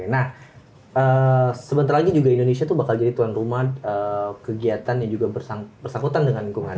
nah sebentar lagi juga indonesia tuh bakal jadi tuan rumah kegiatan yang juga bersangkutan dengan lingkungan